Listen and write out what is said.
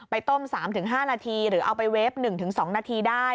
ต้ม๓๕นาทีหรือเอาไปเวฟ๑๒นาทีได้